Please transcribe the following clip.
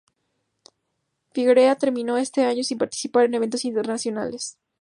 Figueroa terminó ese año sin participar en eventos internacionales.